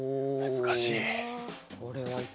難しい。